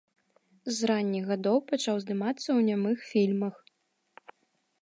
З ранніх гадоў пачаў здымацца ў нямых фільмах.